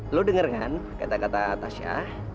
lo dengar kan kata kata tasya